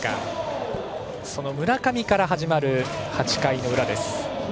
その村上から始まる８回の裏です。